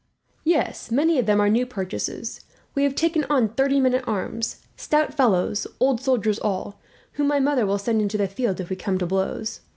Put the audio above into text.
"Yes; many of them are new purchases. We have taken on thirty men at arms; stout fellows, old soldiers all, whom my mother will send into the field if we come to blows.